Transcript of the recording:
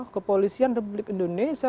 kepolisian republik indonesia